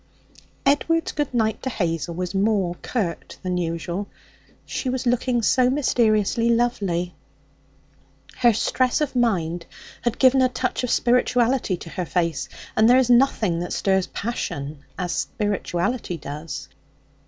Edward's good night to Hazel was more curt than usual. She was looking so mysteriously lovely. Her stress of mind had given a touch of spirituality to her face, and there is nothing that stirs passion as spirituality does.